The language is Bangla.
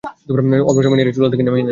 অল্প সময় নেড়েই চুলা থেকে নামিয়ে নিন।